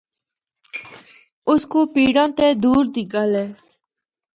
اس کو پینڑا تے دور دی گل اے۔